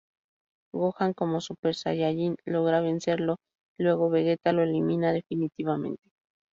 Gohan como Super Saiyajin logra vencerlo y luego Vegeta lo elimina definitivamente.